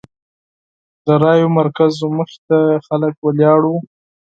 د رایو مرکزونو مخې ته خلک ولاړ وو.